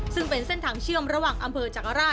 ซึ่งเป็นเส้นทางเชื่อมระหว่างอำเภอจักรราช